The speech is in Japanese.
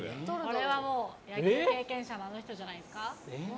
これはもう、野球経験者のあの人じゃないですか。